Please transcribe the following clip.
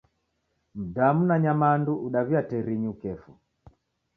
Mdamu na nyamandu udawuya terinyi ukefwa.